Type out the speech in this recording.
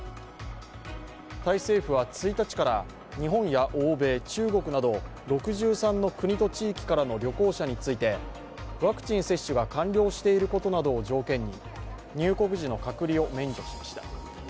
タイ政府は１日から日本や欧米、中国など６３の国と地域からの旅行者についてワクチン接種が完了していることなどを条件に入国時の隔離を免除しました。